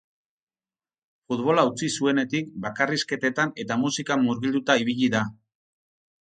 Futbola utzi zuenetik bakarrizketetan eta musikan murgilduta ibili da.